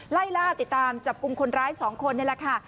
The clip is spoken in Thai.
ไล่ล่าติดตามจับกลุ่มคนร้าย๒คนนี่แหละค่ะ